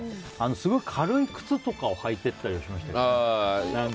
すごい軽い靴とかを履いていったりはしました。